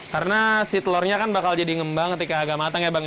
karena si telurnya kan bakal jadi ngembang ketika agak matang ya bang